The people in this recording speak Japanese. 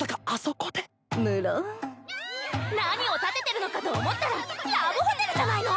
何を建ててるのかと思ったらラブホテルじゃないの！